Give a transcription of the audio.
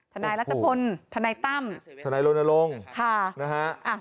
ธนายรักษภนธนายตั้มธนายโรนโลงค่ะนะฮะอ่ะ